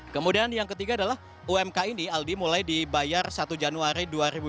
kemudian yang ketiga adalah umk ini aldi mulai dibayar satu januari dua ribu dua puluh